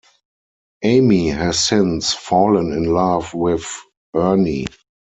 Amy has since fallen in love with Ernie.